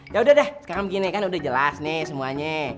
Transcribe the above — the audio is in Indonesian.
ya udah deh sekarang begini kan udah jelas nih semuanya